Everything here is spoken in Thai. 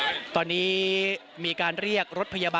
ไม่ทราบว่าตอนนี้มีการถูกยิงด้วยหรือเปล่านะครับ